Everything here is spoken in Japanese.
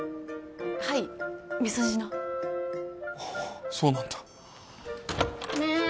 はい三十路のああそうなんだねえ